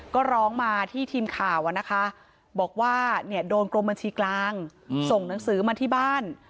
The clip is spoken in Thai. ก็ร้องมาที่ทีมข่าวนะคะบอกว่าโดนกรมบัญชีกลางส่งหนังสือมาที่บ้าน